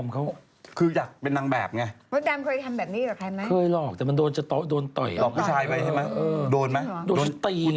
ก็เยอะไหมอะเสร็จเสร็จแล้วห้าสิบคนอะนะ